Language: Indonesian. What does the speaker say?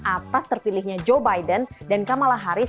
atas terpilihnya joe biden dan kamala harris